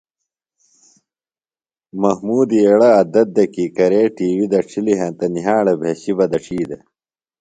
محمودی ایڑےۡ عدت دےۡ کی کرے ٹی وی دڇِھلیۡ ہینتہ نِھیاڑہ بھشیۡ بہ دڇھی دےۡ۔